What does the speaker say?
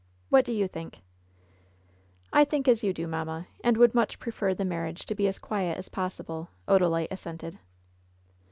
What do you think ?" "I think as you do, mamma, and would much prefer the marriage to be as quiet as possible," Odalite as sented.